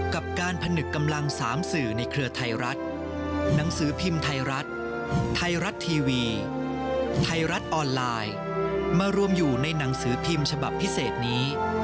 กับการผนึกกำลัง๓สื่อในเครือไทยรัฐหนังสือพิมพ์ไทยรัฐไทยรัฐทีวีไทยรัฐออนไลน์มารวมอยู่ในหนังสือพิมพ์ฉบับพิเศษนี้